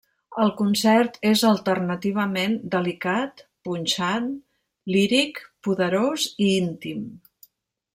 El concert és alternativament delicat, punxant, líric, poderós i íntim.